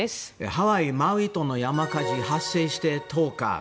ハワイ・マウイ島の山火事、発生して１０日。